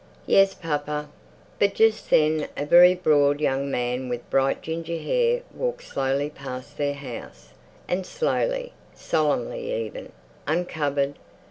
"Yes, papa." But just then a very broad young man with bright ginger hair walked slowly past their house, and slowly, solemnly even, uncovered.